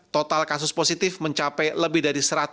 total kasus positif mencapai lebih dari